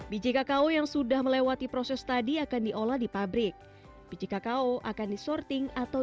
biji kakao yang sudah melewati proses tadi akan diolah di pabrik biji kakao akan disorting atau